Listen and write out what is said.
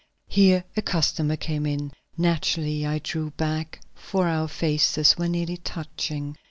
Here a customer came in. Naturally I drew back, for our faces were nearly touching.